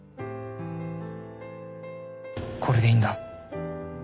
これでいいんだ